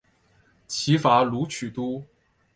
齐伐鲁取都。